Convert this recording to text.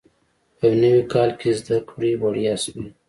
په یو نوي کال کې زده کړې وړیا شوې.